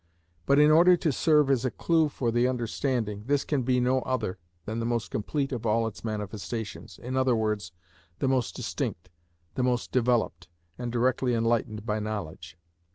But in order to serve as a clue for the understanding, this can be no other than the most complete of all its manifestations, i.e., the most distinct, the most developed, and directly enlightened by knowledge.